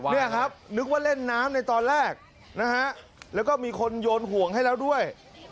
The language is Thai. นี่ครับนึกว่าเล่นน้ำในตอนแรกนะฮะแล้วก็มีคนโยนห่วงให้แล้วด้วย